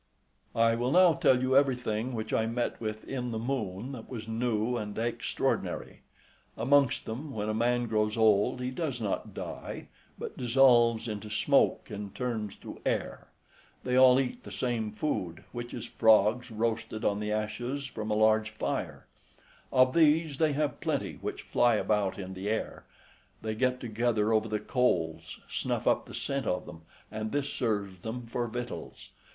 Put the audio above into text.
I will now tell you every thing which I met with in the Moon that was new and extraordinary. Amongst them, when a man grows old he does not die, but dissolves into smoke and turns to air. They all eat the same food, which is frogs roasted on the ashes from a large fire; of these they have plenty which fly about in the air, they get together over the coals, snuff up the scent of them, and this serves them for victuals.